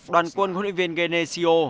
đoàn quân huyện viên genesio